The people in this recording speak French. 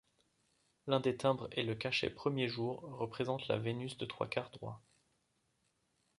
L'un des timbres et le cachet Premier jour représentent la Vénus de trois-quart droit.